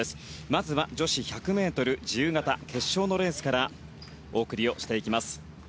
まずは女子１００ｍ自由形決勝のレースからお送りしていきます。